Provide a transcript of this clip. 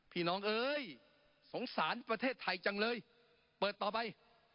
น้องเอ้ยสงสารประเทศไทยจังเลยเปิดต่อไป